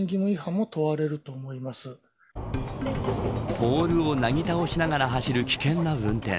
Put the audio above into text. ポールをなぎ倒しながら走る危険な運転。